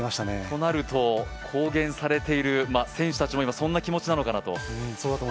となると、公言されている選手たちも今そんな気持ちと？